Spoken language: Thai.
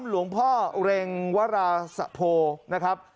หลวงพ่อเร็งวราสะโพนะครับ